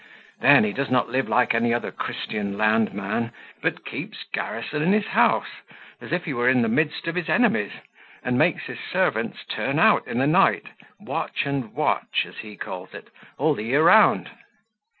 Then he does not live like any other Christian land man; but keeps garrison in his house, as if he were in the midst of his enemies, and makes his servants turn out in the night, watch and watch as he calls it, all the year round.